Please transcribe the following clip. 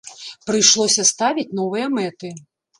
Прыйшлося ставіць новыя мэты.